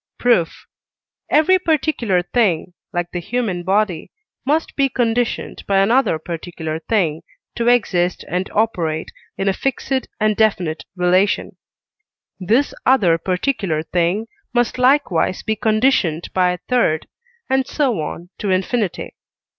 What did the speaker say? Proof. Every particular thing, like the human body, must be conditioned by another particular thing to exist and operate in a fixed and definite relation; this other particular thing must likewise be conditioned by a third, and so on to infinity.